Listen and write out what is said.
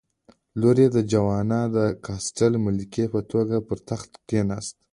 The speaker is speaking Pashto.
لور یې جوانا د کاسټل ملکې په توګه پر تخت کېناسته.